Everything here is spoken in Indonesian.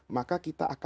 maka kita akan berkah